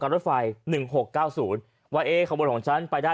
การรถไฟหนึ่งหกเก้าศูนย์ว่าเอขบลของฉันไปได้